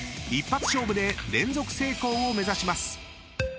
［一発勝負で連続成功を目指します］